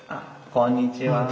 こんにちは。